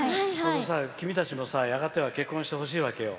君たちも、やがては結婚してほしいわけよ。